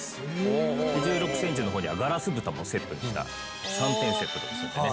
１６センチの方にはガラス蓋もセットにした３点セットですのでね